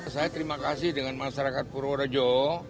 saya terima kasih dengan masyarakat purworejo